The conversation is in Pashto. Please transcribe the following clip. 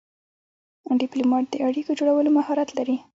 ډيپلومات د اړیکو جوړولو مهارت لري.